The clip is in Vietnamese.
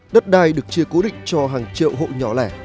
đất đai được chia cố định cho hàng triệu hộ nhỏ lẻ